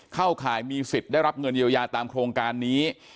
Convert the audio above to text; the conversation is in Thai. ข่ายมีสิทธิ์ได้รับเงินเยียวยาตามโครงการนี้